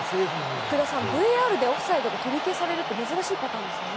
福田さん、ＶＡＲでオフサイドが取り消されるって珍しいパターンですよね。